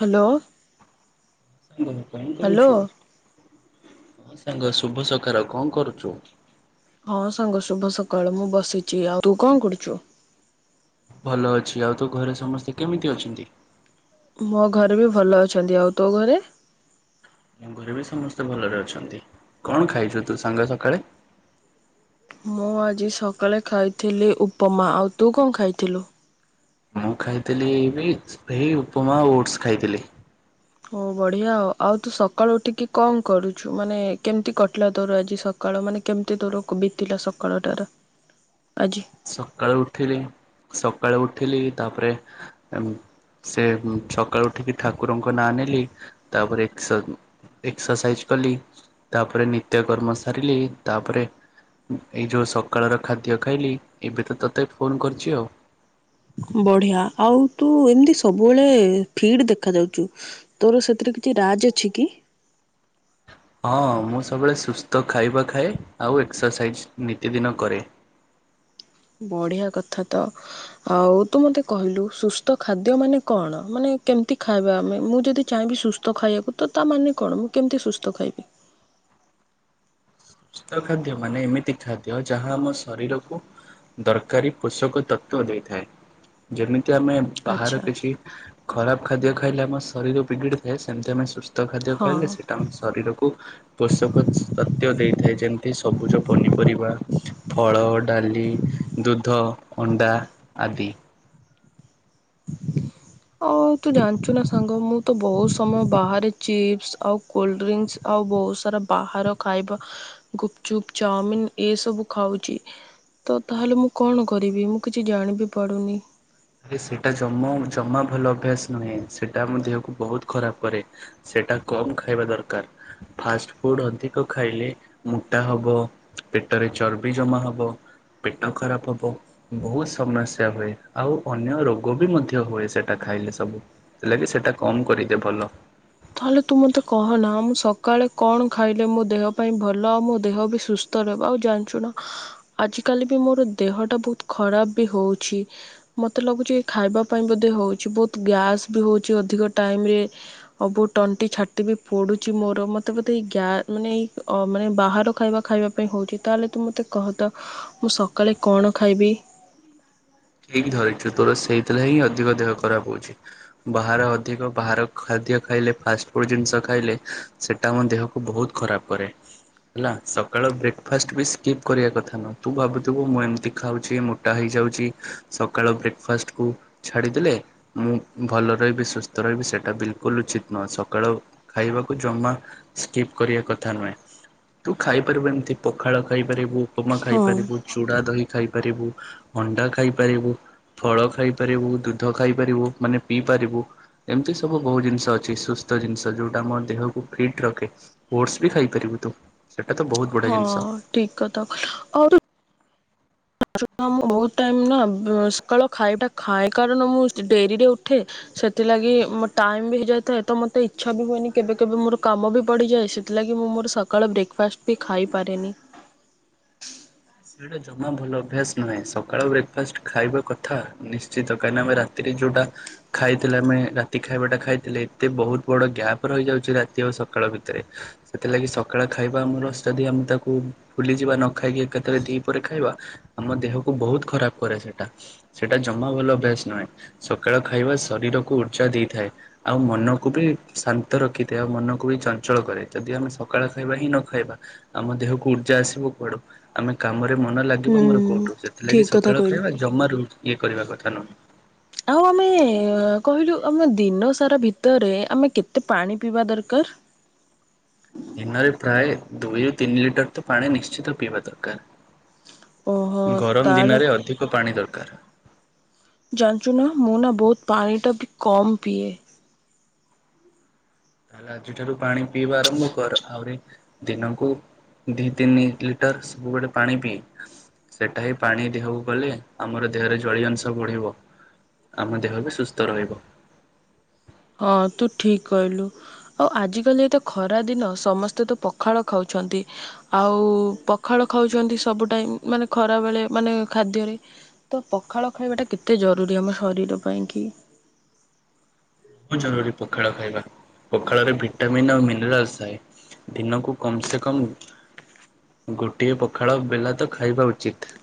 Hello. ହଁ ସାଙ୍ଗ କଣ ହ୍ୟାଲୋ କରୁଛୁ? ହଁ ସାଙ୍ଗ ଶୁଭ ସକାର କଣ କରୁଛୁ? ହଁ ସାଙ୍ଗ ଶୁଭ ସକାଳ। ମୁଁ ବସିଛି। ଆଉ ତୁ କଣ କରୁଛୁ? ଭଲ ଅଛି। ଆଉ ତୋ ଘରେ ସମସ୍ତେ କେମିତି ଅଛନ୍ତି? ମୋ ଘରେ ବି ଭଲ ଅଛନ୍ତି। ଆଉ ତୋ ଘରେ? ମୋ ଘରେ ବି ସମସ୍ତେ ଭଲରେ ଅଛନ୍ତି। କଣ ଖାଇଛୁ ତୁ ସାଙ୍ଗ ସକାଳେ? ମୁଁ ଆଜି ସକାଳେ ଖାଇଥିଲି ଉପମା। ଆଉ ତୁ କଣ ଖାଇଥିଲୁ? ମୁଁ ଖାଇଥିଲି ବି ସେଇ ଉପମା ଓଟ୍ସ ଖାଇଥିଲି। ହଉ ବଢିଆ ଆଉ। ଆଉ ତୁ ସକାଳୁ ଉଠିକି କଣ କରୁଛୁ? ମାନେ କେମିତି କଟିଲା ତୋର ଆଜି ସ ସକାଳ ମାନେ କେମିତି ତୋର ବିତିଲା ସକାଳଟାର ଆଜି? ସକାଳୁ ଉଠିଲି, ସକାଳୁ ଉଠିଲି। ତାପରେ ସେ ସକାଳୁ ଉଠିକି ଠାକୁରଙ୍କ ନାଁ ନେଲି। ତାପରେ ସ ଏକ୍ସରସାଇଜ କଲି। ତାପରେ ନିତ୍ୟ କର୍ମ ସାରିଲି। ତାପରେ ଏଇ ଯୋଉ ସକାଳର ଖାଦ୍ୟ ଖାଇଲି। ଏବେ ତ ତୋତେ ଫୋନ କରିଛି ଆଉ। ବଢିଆ ଆଉ ତୁ ଏମିତି ସବୁବେଳେ ଫିଡ ଦେଖା ଯାଉଛୁ। ତୋର ସେଥିରେ କିଛି ରାଜ୍ ଅଛି କି? ହଁ ମୁଁ ସବୁବେଳେ ସୁସ୍ଥ ଖାଇବା ଖାଏ। ଆଉ ଏକ୍ସରସାଇଜ୍ ନିତିଦିନ କରେ। ବଢିଆ କଥା ତ। ଆଉ ତୁ ମତେ କହିଲୁ ସୁସ୍ଥ ଖାଦ୍ୟ ମାନେ କଣ? ମାନେ କେମିତି ଖାଇବା ଆମେ? ମୁଁ ଯଦି ଚାହିଁବି ସୁସ୍ଥ ସୁସ୍ଥ ଖାଇବାକୁ ତ ତାମାନେ କଣ ମୁଁ କେମିତି ସୁସ୍ଥ ଖାଇବି? ସୁସ୍ଥ ଖାଦ୍ୟ ମାନେ ଏମିତି ଖାଦ୍ୟ ଯାହା ଆମ ଶରୀରକୁ ଦରକାରୀ ପୋଷକ ତତ୍ଵ ଦେଇଥାଏ। ଯେମିତି ଆମେ ବାହାର ଆଚ୍ଛା କିଛି ଖରାପ ଖାଦ୍ୟ ଖାଇଲେ ଆମ ଶରୀର ବିଗିଡି ଥାଏ। ସେମିତି ଆମେ ସୁସ୍ ଶତ ଖାଦ୍ୟ ହଁ ଖାଇଲେ ସେଇଟା ଆମ ଶରୀରକୁ ପୋଷକ ତଥ୍ୟ ଦେଇ ଥାଏ ଯେମିତି ସବୁଜ ପନିପରିବା। ଫଳ, ଡାଲି, ଦୁଧ, ଅଣ୍ଡା ଆଦି। [inaudible] ଆଉ ତୁ ଜାଣିଛୁ ନା ସାଙ୍ଗ ମୁଁ ତ ବହୁତ ସମୟ ବାହାରେ ଚିପ୍ସ ଆଉ କୋଲଡ୍ରିଙ୍କସ୍ ଆଉ ବହୁତ ସାରା ବାହାର ଖାଇବା ଗୁପଚୁପ୍ ଚାଉମିିନ ଏସବୁ ଖାଉଛି। ତ ତାହେଲେ ମୁଁ କଣ କରିବି? ମୁଁ କିଛି ଜାଣିବି ପଡୁନି। ଆରେ ସେଇଟା ଜମ ଜମା ଭଲ ଅଭ୍ୟାସ ନୁହେଁ। ସେଇଟା ଆମ ଦେହକୁ ବହୁତ ଖରାପ କରେ। ସେଟା କମ ଖାଇବା ଦରକାର। ଫାଷ୍ଟ ଫୁଡ ଅଧିକ ଖାଇଲେ ମୋଟା ହବ ପେଟରେ ଚର୍ବି ଜମା ହବ। ପେଟ ଖରାପ ହବ। ବହୁତ ସମସ୍ୟା ହୁଏ। ଆଉ ଅନ୍ୟ ରୋଗ ବି ମଧ୍ୟ ହୁଏ ସେଇଟା ଖାଇଲେ ସବୁ। ଯେଥିଲାକି ସେଇଟା କମ୍ କରିଦିଏ ଭଲ। ତାହେଲେ ତୁ ମତେ କହନା ମୁଁ ସକାଳେ କଣ ଖାଇଲେ ମୋ ଦେହ ପାଇଁ ଭଲ ଆଉ ମୋ ଦେହ ବି ସୁସ୍ ର ରହିବ ଆଉ ଜାଣିଛୁ ନା ଆଜିକାଲି ବି ମୋର ଦେହଟା ବହୁତ ଖରାପ ବି ହଉଛି। ମତେ ଲାଗୁଛି ଖାଇବା ପାଇଁ ବୋଧେ ହଉଛି ବହୁତ ଗ୍ୟାସ୍ ବି ହଉଛି ଅଧିକ ଟାଇମରେ। ଅବ ତଣ୍ଟି ଛାଟି ବି ପୋଡୁଛି ମୋର ମତେ ବୋଧେ ଏ ଗ ମାନେ ଏଇ ମାନେ ବାହାର ଖାଇବା ଖାଇବା ହେଉଛି ତାହେଲେ ତୁ ମୋତେ କହ ତ ମୁଁ ସକାଳେ କଣ ଖାଇବି? ହେକି ଧରିଛୁ ତୋର ସେଇଥିଲା ହିଁ ଅଧିକ ଦେହ ଖରାପ ହଉଛି। ବାହାର ଅଧିକ ବାହାର ଖାଦ୍ୟ ଖାଇଲେ ଫାଷ୍ଟଫୁଡ ଜିନିଷ ଖାଇଲେ ସେଟା ଆମ ଦେହକୁ ବହୁତ ଖରାପ କରେ। ହେଲା ସକାଳ ବ୍ରେକଫାଷ୍ଟ ବି ସ୍କିପ୍ କରିବା କଥା ନୁହଁ ତୁ ଭାବୁଥିବୁ ମୁଁ ଏମିତି ଖାଉଛି ମୋଟା ହେଇଯାଉଛି ସକାଳ ବ୍ରେକଫାଷ୍ଟ କୁ ଛାଡିଦେଲେ ମୁଁ ଭଲ ରହିବି ସୁସ୍ଥ ରହିବି ସେଇଟା ବିଲକୁଲ ଉଚିତ ନୁହେଁ ସକାଳୁ ଖାଇବାକୁ ଜମା ସ୍କିପ କରିବା କଥା ନୁହେଁ ତୁ ଖାଇପାରିବୁ ଏମତି ପଖାଳ ଖାଇପାରିବୁ ଉପମା ହଁ। ଖାଇପାରିବୁ ଚୁଡ଼ା ଦହି ଖାଇପାରିବୁ ଅଣ୍ଡା ଖାଇ ପାରିବୁ ଫଳ ଖାଇପାରିବୁ ଦୁଧ ଖାଇପାରିବୁ ମାନେ ପିଇ ପାରିବୁ ଏମିତି ସବୁ ବହୁତ ଜିନିଷ ଅଛି ସୁସ୍ଥ ଜିନିଷ ଯେଉଟା ଆମ ଦେହକୁ ଫିଟ୍ ରଖେ ପଟ୍ସ ବି ଖାଇପାରିବୁ ତୁ- ସେଇଟା ତ ବହୁତ ବଢ଼ିଆ ହଁ ଜିନିଷ। ଠିକ କଥା କିଲ ଆଉରି ମୁ ବହୁତ ଟାଇମ ନା ସକାଳ ଖାଇଟା ଖାଏ କାରଣ ମୁଁ ଡେରିରେ ଉଠେ ସେଥିଲାଗି ମୋ ଟାଇମ ବି ହେଇଯାଇଥାଏ ତ ମୋତେ ଇଚ୍ଛା ବି ହୁଏନି କେବେ କେବେ ମୋର କାମ ବି ବଡିିଯାଏ ସେ ସେଥିଲାଗି ମୁଁ ମୋର ସକାଳ ବ୍ରେକଫାଷ୍ଟ ବି ଖାଇପାରେନି। ସେଟା ଜମା ଭଲ ଅଭ୍ୟାସ ନୁହେଁ ସକାଳ ବ୍ରେକଫାଷ୍ଟ ଖାଇବା କଥା ନିଶ୍ଚିତ କାହିଁନା ଆମେ ରା ତିରେ ଯୋଉଟା ଖାଇଥିଲେ ଆମେ ରାତି ଖାଇବାଟା ଖାଇଥିଲେ ଏତେ ବହୁତ ବଡ ଗ୍ୟାପ ରହିଯାଉଛି ରାତି ଆଉ ସକାଳ ଭିତରେ ସେଥିଲାଗି ସକାଳ ଖାଇବା ଆମର ଯଦି ଆମେ ତାକୁ ଫୁଲିଯିବା ନ ଖାଇକି କେତେଳେ ଦିଇପରେ ଖାଇବା ଆମ ଦେହକୁ ବହୁତ ଖରାପ କରେ ସେଇଟା ସେଟା ଜମା ଭଲ ଅଭ୍ୟାସ ନୁହେଁ ସକାଳ ଖାଇବା ଶରୀରକୁ ଉର୍ଜା ଦେଇଥାଏ। ଆଉ ମନକୁ ବି ଶାନ୍ତ ରଖିଥାଏ ଆଉ ମନକୁ ବି ଚଞ୍ଚଳ କରେ ଯଦି ଆମେ ସକାଳ ଖାଇବା ହିଁ ନ ଖାଇବା ଆମ ଦେହକୁ ଉର୍ଜା ଆସିବ କୁଆଡୁ? ଆମେ କାମରେ ମନ ଲାଗିବ ହୁଁ ମୋର କୋଉଠୁ ସେଥିଲାଗି ଠିକ୍ କଥା ସକାଳ କହିଲୁ। ଖଇବା ଜମାରୁ ଇଏ କରିବା କଥା ନୁହେଁ। ଆଉ ଆମେ କହିଲୁ ଆମ ଦିନସାରା ଭିତରେ ଆମେ କେତେ ପାଣି ପିଇବା ଦରକାର? ଦିନରେ ପ୍ରାୟ ଦୁଇରୁ ତିନି ଲିଟର ତ ପାଣି ନିଶ୍ଚିତ ପିଇବା ଦରକାର। ଓହୋ ଗରମ ତାହେଲେ ଦିନରେ ଅଧିକ ପାଣି ଦରକାର। ଜାଣିଛୁ ନା ମୁଁ ନା ବହୁତ ପାଣିଟା ବି କମ୍ ପିଏ। ତାହେଲେ ଆଜିଠାରୁ ପାଣି ପିଇବା ଆରମ୍ଭ କର। ଆହୁରି ଦିନକୁ- ଦୁଇ ତିନି ଲିଟର ସବୁବେଳେ ପାଣି ପିଏ। ସେଟା ହିଁ ପାଣି ଦେହକୁ ଗଲେ ଆମର ଦେହରେ ଜଳୀୟ ଅଂଶ ବଢିବ। ଆମ ଦେହ ବି ସୁସ୍ଥ ରହିବ। ହଁ ତୁ ଠିକ କହିଲୁ। ଆଉ ଆଜିକାଲି ଏତ ଖରା ଦିନ ସମସ୍ତେ ତ ପଖାଳ ଖାଉଛନ୍ତି। ଆଉ ପଖାଳ ଖାଉଛନ୍ତି ସବୁ ଟାଇମ ମାନେ ଖରାବେଳେ ମାନେ ଖାଦ୍ୟରେ। ତ ପଖାଳ ଖାଇବାଟା କେତେ ଜରୁରୀ ଆମ ଶରୀର ପାଇଁ କି? ବହୁତ ଜରୁରୀ ପଖାଳ ଖାଇବା ପଖାଳରେ ଭିଟାମିନ୍ ଆଉ ମିନେରାଲ ଥାଏ। ଦିନକୁ କମ ସେ କମ ଗୋଟିଏ ପଖାଳ ବେଲା ତ ଖାଇବା ଉଚିତ।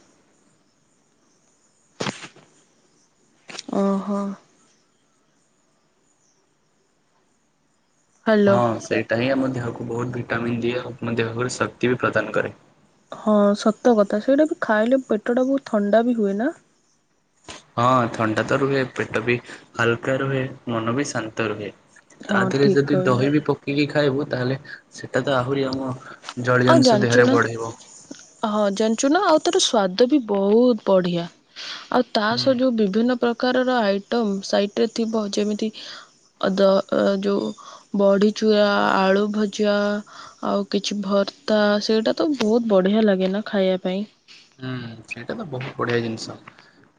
ଓହୋ- ହ୍ୟାଲୋ ହଁ ସେଇଟା ହିଁ ଆମ ଦେହକୁ ବହୁତ ଭିଟାମିନ୍ ଦିଏ। ଆଉ ଦେହ ଶକ୍ତି ବି ପ୍ରଦାନ କରେ। ହଁ ସତ କଥା ସେଇଟା ବି ଖାଇଲେ ପେଟଟା ବହୁତ ଥଣ୍ଡା ବି ହୁଏ ନା- ହଁ ଥଣ୍ଡା ତ ରୁହେ ପେଟ ବି ହାଲକା ରୁହେ ମନ ବି ଶାନ୍ତ ରୁହେ। ତା ହଁ ଦେହରେ ଠିକ୍ ଯଦି କହିଲୁ ଦହି ବି ପକେଇକି ଖାଇବୁ। ତାହେଲେ ସେଟା ତ ଆହୁରି ଆମ- ଆଉ ଜାଣିଛୁ ନା। ଥିବ- ହଁ ଜାଣିଞ୍ଚୁନା ଆଉ ତାର ସ୍ଵାଦ ବି ବୋହୁତ୍ ବଢ଼ିଆ। ଆଉ ତା ହୁଁ ସହ ଯେଉଁ ବିଭିନ୍ନ ପ୍ରକାରର ଆଇଟମ୍, ସାଇଟିରେ ଥିବ ଯେମିତି ଅ ଦ ଯୋଉ ବଢ଼ିଚୁରା, ଆଳୁ ଭଜା, ଆଉ କିଛି ଭର୍ତ୍ତା ସେଇଟା ତ ବୋହୁତ୍ ବଢ଼ିଆ ଲାଗେ ନା ଖାଇବା ପାଇଁ? ହୁଁ ସେଇଟା ତ ବୋହୁତ୍ ବଢିଆ ଜିନ୍ସ।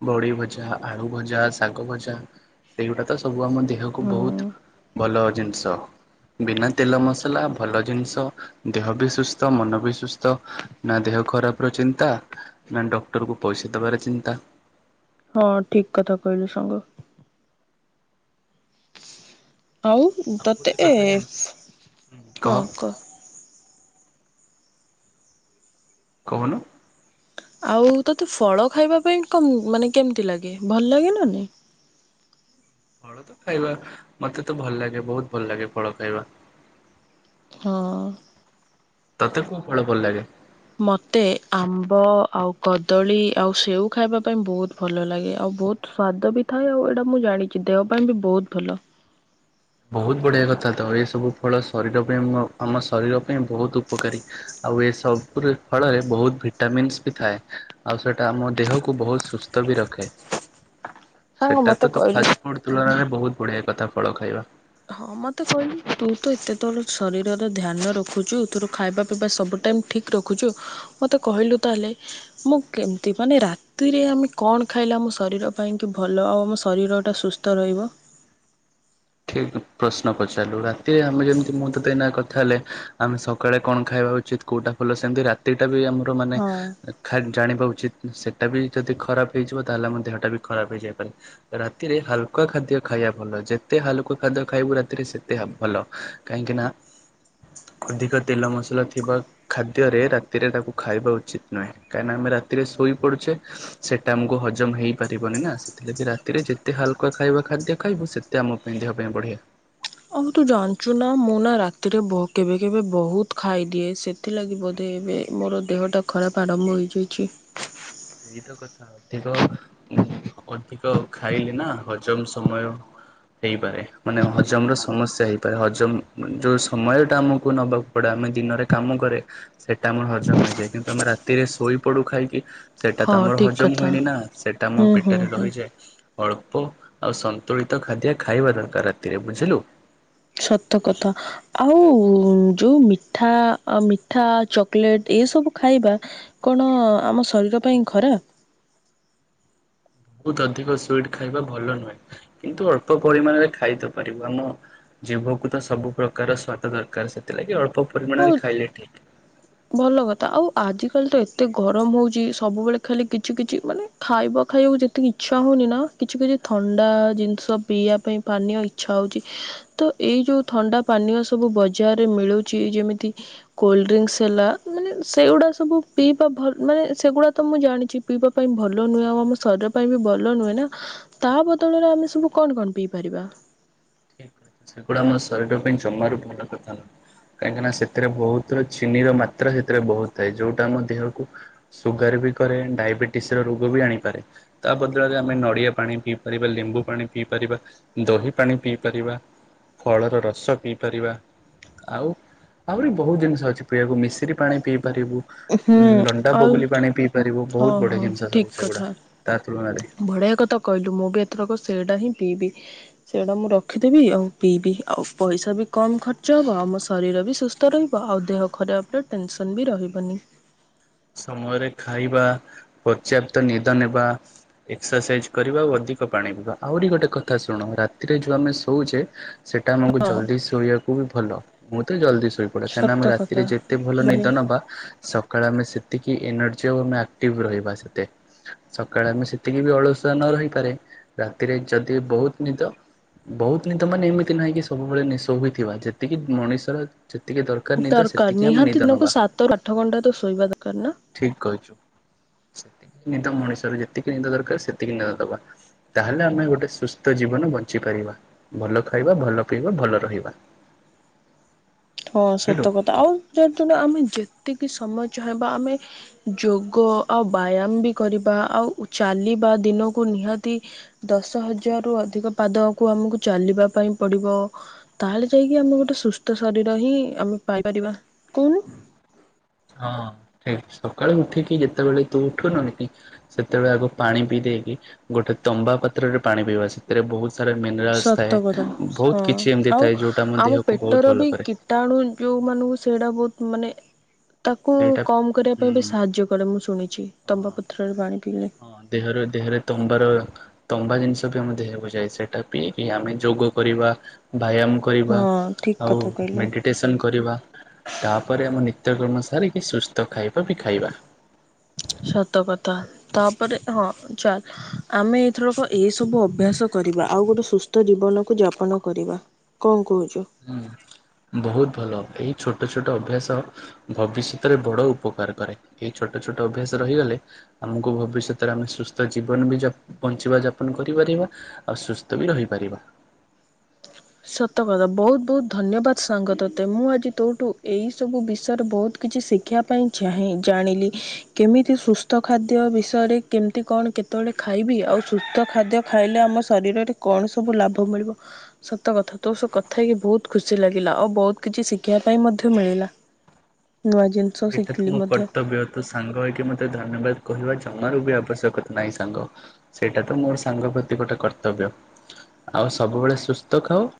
ବଢ଼ି ଭଜା, ଆଳୁ ଭଜା, ଶାଗ ଭଜା, ସେଇଗୁଡା ତ ସବୁ ଆମ ଦେହକୁ ହଁ ବୋହୁତ୍ ଭଲ ଜିନ୍ସ। ବିନା ତେଲ ମସଲା ଭଲ ଜିନ୍ସ, ଦେହ ବି ସୁସ୍ଥ ମନ ବି ସୁସ୍ଥ। ନା ଦେହ ଖରାପ ର ଚିନ୍ତା ନା ଡକ୍ଟରକୁ ପଇସା ଦବାର ଚିନ୍ତା। ହଁ ଠିକ୍ କଥା କହିଲୁ ସାଙ୍ଗ। ଆଉ ତତେ, ଏ -ହଁ କହ କହୁନୁ? ଆଉ ତୋତେ ଫଳ ଖାଇବା ପାଇଁ କ ମାନେ କେମିତି ଲାଗେ? ଭଲ ଲାଗେନା ନାହିଁ? ଫଳ ତ ଖାଇବା, ମତେ ତ ଭଲ ଲାଗେ। ବୋହୁତ୍ ଭଲ ଲାଗେ ଫଳ ଖାଇବା। ହଁ। ତତେ କୋଉ ଫଳ ଭଲ ଲାଗେ? ମୋତେ ଆମ୍ବ ଆଉ, କଦଳୀ ଆଉ, ସେଓ ଖାଇବା ପାଇଁ ବୋହୁତ୍ ଭଲ ଲାଗେ। ଆଉ ବୋହୁତ୍ ସ୍ଵାଦ ବି ଥାଏ। ଆଉ ଏଇଟା ମୁଁ ଜାଣିଛି ଦେହ ପାଇଁ ବି ବୋହୁତ୍ ଭଲ। ବୋହୁତ୍ ବଢ଼ିଆ କଥା ତ, ଏସବୁ ଫଳ ଶରୀର ପାଇଁ ଆମ ଶରୀର ପାଇଁ ବୋହୁତ୍ ଉପକାରୀ। ଆଉ ଏ ସବୁରି ଫଳରେ ବୋହୁତ୍ ଭିଟାମିନ୍ସ ବି ଥାଏ। ଆଉ ସେଟା ଆମ ଦେହକୁ ବୋହୁତ୍ ସୁସ୍ଥ ବି ରଖେ। ସାଙ୍ଗ ସେଟା ମୋତେ ତ ତ କହିଲୁ ଫାଷ୍ଟ ଗୋଟେ ତୁଳନାରେ ବୋହୁତ୍ ବଢିଆ କଥା ଫଳ ଖାଇବା। ହଁ ମତେ କହିଲୁ ତୁ ତ ଏତେ ତୋର ଶରୀରର ଧ୍ୟାନ ରଖୁଛୁ। ତୋର ଖାଇବା ପିଇବା ସବୁ ଟାଇମ୍ ଠିକ୍ ରଖୁଛୁ, ମୋତେ କହିଲୁ ତାହେଲେ ମୁଁ କେମ୍ ତି ମାନେ ରାତିରେ ଆମେ କଣ ଖାଇଲେ ଆମ ଶରୀର ପାଇଁକି ଭଲ, ଆଉ ଆମ ଶରୀର ଟା ସୁସ୍ଥ ତ ରହିବ? ଠିକ୍ ପ୍ରଶ୍ନ ପଚାରିଲୁ। ରାତିରେ ଆମେ ଯେମିତି ମୁଁ ତତେ ଏନା କଥା ହେଲେ ଆମେ ସକାଳେ କଣ ଖାଇବା ଉଚିତ୍, କୋଉଟା ଭଲ, ସେମିତି ରାତି ଟା ବି ଆମର ମାନେ ହଁ। ଖା ଜାଣିବା ଉଚିତ୍, ସେଟା ବି ଯଦି ଖରାପ ହେଇଯିବ। ତାହେଲେ ଆମ ଦେହଟା ବି ଖରାପ ହେଇଯାଇ ପାରେ। ରାତିରେ ହାଲ୍କା ଖାଦ୍ୟ ଖାଇବା ଭଲ। ଯେ ତେ ହାଲୁକା ଖାଦ୍ୟ ଖାଇବୁ ରାତିରେ ସେତେ ଭଲ। କାହିଁକି ନା ଅଧିକ ତେଲ ମସଲା ଥିବା ଖାଦ୍ୟରେ, ରାତିରେ ତାକୁ ଖାଇବା ଉଚିତ୍ ନୁହେଁ। କାହିଁକିନା ଆମେ ରାତିରେ ଶୋଇ ପଡୁଛେ ସେଟା ଆମକୁ ହଜମ ହେଇପାରିବନି ନା, ସେଥିଲାଗି ରାତିରେ ଯେତେ ହାଲକା ଖାଇବା ଖାଦ୍ୟ ଖାଇବ ସେ ତେ ଆମ ପାଇଁ ଦେହ ପାଇଁ ବଢ଼ିଆ। ଆଉ ତୁ ଜାଣିଛୁ ନା, ମୁଁ ନା ରାତିରେ କେବେ କେବେ ବୋହୁତ୍ ଖାଇଦିଏ। ସେ ଥିଲାଗି ବୋଧେ, ଏବେ ମୋର ଦେହଟା ଖରାପ ଆରମ୍ଭ ହୋଇଯାଇଛି। ସେଇ ତ କଥା ଆ ଅଧିକ, ଅଧିକ ଖାଇଲେ ନା ହଜମ ସମୟ ହେଇପାରେ। ମାନେ ହଜମ ର ସମସ୍ୟା ହେଇପାରେ। ହଜମ ଯୋଉ ସମୟ ଟା ଆମକୁ ନବାକୁ ବଟ ଆମେ ଦିନରେ କାମ କରେ, ସେଇଟା ଆମର ହଜମ ହେଇଯାଏ। କିନ୍ତୁ ଆମେ ରାତିରେ ଶୋଇପଡୁ ଖାଇକି ସେଇଟା ତ ହଁ ଆମର ଠିକ୍ ହଜମ କଥା। ହୁଏନି ନା। ସେଇଟା ଆମ ହୁଁ ହୁଁ ପେଟରେ ହୁଁ। ରହିଯାଏ। ଅଳ୍ପ ଆଉ ସନ୍ତୁଳିତ ଖାଦ୍ୟ ଖାଇବା ଦରକାର ରାତିରେ ବୁଝିଲୁ। ସତ କଥା। ଆଉ ଯୋଉ ମିଠା ମିଠା ଚକୋଲେଟ୍ ଏସବୁ ଖାଇବା କଣ ଆମ ଶରୀର ପାଇଁ ଖରାପ? ବୋହୁତ ଅଧିକ ସୁଇଟ୍ ଖାଇବା ଭଲ ନୁହେଁ। କିନ୍ତୁ ଅଳ୍ପ ପରିମାଣରେ ଖାଇ ତ ପାରିବୁ ଆମ ଜୀଭକୁ ତ ସବୁ ପ୍ରକାରର ସ୍ଵାଦ ଦରକାର, ସେଥିଲାଗି ଅଳ୍ପ ଆଉ ପରିମାଣରେ ଖାଇଲେ ଠିକ୍। ଭଲ କଥା ଆଉ ଆଜିକାଲି ତ ଏତେ ଗରମ ହଉଛି ସବୁବେଳେ ଖାଲି କିଛି କିଛି ମାନେ ଖାଇବା ଖାଇବାକୁ ଯେତିକି ଇଚ୍ଛା ହଉନି ନା, କିଛି କିଛି ଥଣ୍ଡା ଜିନିଷ ପିଇବା ପାଇଁ ପାନୀୟ ଇଛା ହୋଉଚି ତ ଏଇ ଯୋଉ ଥଣ୍ଡା ପାନୀୟ ସବୁ ବଜାରରେ ମିଳୁଚି ଯେମିତି କୋଲଡ ଡ୍ରିଙ୍କକ୍ସ ହେଲା ମା ସେଗୁଡ଼ା ସବୁ ପିଇବା ଭଲ ମାନେ ସେଗୁଡା ତ ମୁଁ ଜାଣିଚି ପିଇବା ପାଇଁ ଭଲ ନୁହେଁଉ ଆମ ଶରୀ ପାଇଁ ବି ଭଲ ନୁହେଁ ନା ତା ବଦଳରେ ଆମେ ସବୁ କଣ କଣ ପିଇପାରିବା? ସେଗୁଡା ଆମ ଶରୀର ପାଇଁ ଜମାରୁ ଭଲ କଥା ନୁହଁ। କାହିଁକିନା ସେଥିରେ ବୋହୁତ ଚିନି ର ମାତ୍ରା ସେଥିରେ ବୋହୁତ ଥାଏ, ଯୋଉଟା ଆମ ଦେହକୁ ସୁଗାର ବି କରେ ଡାଇବେଟିସ ର ରୋଗ ବି ଆଣିପାରେ। ତା ବଦଳରେ ଆମେ ନଡ଼ିଆ ପାଣି ପିଇପାରିବା, ଲେମ୍ବୁ ପାଣି ପିଇପାରିବା, ଦହି ପାଣି ପିଇପାରିବା। ଫଳର ରସ ପିଇ ପାରିବା। ଆଉ ଆହୁରି ବୋହୁତ ଜିନିଷ ଅଛି ପିଇବାକୁ, ମିଶି ପାଣି ପିଇ ପାରିବୁ। ହୁଁ ଲଣ୍ଡା ଆଉ ବଗୁଲି ପାଣି ପିଇ ପାରିବୁ, ହଁ ବୋହୁତ ବଢିଆ ହଁ ଜିନିଷ ସବୁ ଠିକ୍ ସେଗୁଡା କଥା ତା ତୁନାରେ। ବଢ଼ିଆ କଥା କହିଲୁ ମୁଁ ବି ଏତେଟକ ସେଇଟା ହିଁ ପିଇବି। ସେଇଗୁଡ଼ା ମୁଁ ରଖିଦେବି ଆଉ ପିଇବି ଆଉ ପଇସା ବି କମ୍ ଖର୍ଚ୍ଚ ହେବ, ଆଉ ମୋ ଶରୀର ବି ସୁସ୍ଥ ତ ରହିବ ଆଉ ଦେହ ଖରାପରେ ଟେନସନ୍ ବି ରହିବନି। ସମୟରେ ଖାଇବା ପର୍ଯ୍ୟାପ୍ତ ନିଦ ନେବା। ଏକ୍ସରସାଇଜ କରିବା, ଆ ଅଧିକ ପାଣି ପିଇବା, ଆହୁରି ଗୋଟେ କଥା ଶୁଣ ରାତିରେ ଯୋଉ ଆମେ ଶୋଉଛେ ସେଇଟା ଆମକୁ ହଁ ଜଲ୍ଦି ଶୋଇବାକୁ ବି ଭଲ, ମୁଁ ତ ଜଲ୍ଦି ଶୋଇପ କାହିଁକିନା ଆମେ ସତ କଥା ରାତିରେ ଯେତେ ଭଲ ବଢ଼ିଆ ନିଦ ନେବା, ସକାଳେ ଆମେ ସେତିକି ଏନର୍ଜି ଆଉ ଆମେ ଆକ୍ଟିଭ ରହିବା ସେତେ। ସକାଳେ ଆମେ ସେତିକି ବି ଅଳସୁଆ ନ ରହିପାରେ, ରାତିରେ ଯଦି ବୋହୁତ ନିଦ ବୋହୁତ ନିଦ ମାନେ ଏମିତି ନାହିଁ କି ସବୁବେଳେ ନିଶ ହଥିବା ଯେତିକି ମଣିଷର ଯେତିକି ଦରକାର ନିଦ ସେତିକି ଆମେ ନିଦ ନବା ସାତ ଆଠ ଘଣ୍ଟା ତ ଶୋଇବା ଦରକାର ନା? ଠିକ କହିଛୁ ସେତିକି ନିଦ ମଣିଷରେ ଯେତିକି ନିଦ ଦରକାର ସେତିକି ନିଦ ଦବା ତାହେଲେ ଆମେ ଗୋଟେ ସୁସ୍ଥ ଜୀବନ ବଞ୍ଚିପାରିବା। ଭଲ ଖାଇବା ଭଲ ପିଇବା ଭଲ ରହିବା। ହଁ ସତ କଥା ଆଉ ଯୋଉ ଦିନଆମେ ଯେତିକି ସମୟ ଚାହେଁବା ଆମେ ଯୋଗ ଆଉ ବ୍ୟାୟାମ ବି କରିବା ଆଉ ଚାଲିବା ଦିନକୁ ନିହାତି ଦଶ ହଜାରରୁୁ ଅଧିକ ପାଦକୁ ଆମକୁ ଚାଲିବା ପାଇଁ ପଡିବ। ତାହେଲେ ଯାଇକି ଆମେ ଗୋଟେ ସୁସ୍ଥ ଶରୀର ହିଁ ଆମେ ପାଇପାରିବା, କହୁନୁ ହଁ ସେଠ ସକାଳେୁ ଉଠିକି ଯେତେବେଳେ ତୁ ଉଠୁନନ କି ସେତେବେଳେ ଆଗ ପାଣି ପିଇ ଦେଇେଇକି ଗୋଟେ ତମ୍ବା ପାତ୍ରରେ ପାଣି ପିଇବା ସେଥିରେ ବୋହୁତ ସାରା ମିନେରାଲ୍ସ୍ ସତ ଥାଏ କଥା ହଁ ବୋହୁତ କିଛି ଏମିତି ଥାଏ ଯେଉଁଟା ଆମ ଦେହକୁ ବୋହୁତ ଭଲ କରେ। ତେଣୁ ଯେଉଁମାନଙ୍କୁ ସେଇଟା ବୋହୁତ ମାନେ ତାକୁ ସେଇଟା କମ କରିବା ହୁଁ ପାଇଁ ବି ସାହାଯ୍ୟ କରେ ମୁଁ ଶୁଣିଚି ହଁ ତମ୍ବା ପତ୍ରରେ ପାଣି ପିଇଲେ। ହଁ ଦେହର ଦେହରେ ତମ୍ବାର ତମ୍ବା ଜିନିଷ ବି ଆମ ହେକୁ ଯାଏ ସେଇଟା ପିଇକି ଆମେ ଯୋଗ କରିବା ବ୍ୟାୟାମ କରିବା ହଁ ଠିକ ଆଉ କଥା କହିଲୁ [unintelligible] କରିବା ତାପରେ ଆମ ନିତ୍ୟକର୍ମ ସାରିକି ସୁସ୍ଥ ଖାଇବା। ସତକଥା ତାପରେ ହଁ ଚା ଆମେ ଏଇଥରକ ଏଇ ସବୁ ଅଭ୍ୟାସ କରିବା ଆଉ ଗୋଟେ ସୁସ୍ଥ ଜୀବନକୁ ଯାପନ କରିବା। କଣ କହୁଚୁ? ହୁଁ ବହୁତ ଭଲ, ଏଇ ଛୋଟ ଛୋଟ ଅଭ୍ୟାସ ଭବିଷ୍ୟତରେ ବଡ଼ ଉପକାର କରେ ଏହିଇ ଛୋଟ ଛୋଟ ଅଭ୍ୟାସ ରହିଲେ ଆମକୁ ଭବିଷ୍ୟତରେ ଆମେ ସୁସ୍ଥ ଜୀବନ ବି ବଞ୍ଚିବା ଯାପନ କରିପାରିବା। ଆଉ ସୁସ୍ଥ ବି ରହିପାରିବା। ସତ କଥା ବହୁତ ବହୁତ ଧନ୍ୟବାଦ ସାଙ୍ଗ ତୋତେ ମୁଁ ଆଜି ତୋଠୁ ଏଇ ସବୁ ବିଷୟରେ ବୋହୁତ କିଛି ଶିଖିବା ପାଇଁ ଚାଁ ଜାଣିଲି କେମିତି ସୁସ୍ଥ ଖାଦ୍ୟ ବିଷୟରେ କେମିତି କଣ କେତେବେଳେ ଖାଇବି? ଆଉ ସୁସ୍ଥ ଖାଦ୍ୟ ଖାଇଲେ ଆମ ଶରୀରରେ କଣ ସବୁ ଲାଭ ମିଳିବ? ସତ କଥା ତୋ ସ କଥା ହେଇକି ବହୁତ ଖୁସି ଲାଗିଲା ଆଉ ବହୁତ କିଛି ଶିଖିବା ପାଇଁ ମଧ୍ୟ ମିଳିଲା। ନୂଆ ଜିନିଷ ଏଇଟା ଶିଖିଲି ମୋ ମଧ୍ୟ। କର୍ତ୍ତବ୍ୟ ତ ସାଙ୍ଗ ହେଇକି ମତେ ଧନ୍ୟବାଦ କହିବା ଜମାରୁ ବି ଆବଶ୍ୟକତା ନାହିଁ ସାଙ୍ଗ। ସେଇଟା ତ ମୋର ସାଙ୍ଗ ପ୍ରତି ଗୋଟେ କର୍ତ୍ତବ୍ୟ। ଆଉ ସବୁବେଳେ ସୁସ୍ଥ ଖାଉ